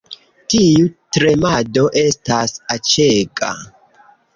Tiu tremado estas aĉega